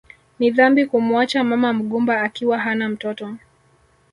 Ni dhambi kumuacha mama mgumba akiwa hana mtoto